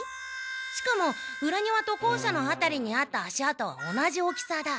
しかも裏庭と校舎のあたりにあった足あとは同じ大きさだ。